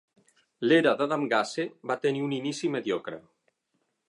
L'era d'Adam Gase va tenir un inici mediocre.